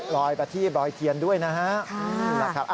ลอยประทีลอยเทียนด้วยนะฮะ